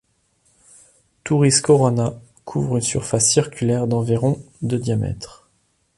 Thouris Corona couvre une surface circulaire d'environ de diamètre.